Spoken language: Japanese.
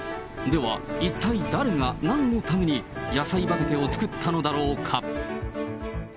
では一体誰がなんのために、野菜畑を作ったのだろうか。